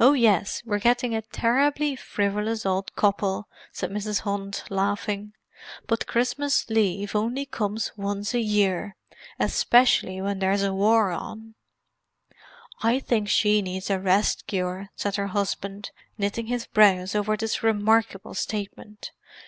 "Oh yes; we're getting a terribly frivolous old couple," said Mrs. Hunt, laughing. "But Christmas leave only comes once a year, especially when there's a war on!" "I think she needs a rest cure!" said her husband, knitting his brows over this remarkable statement.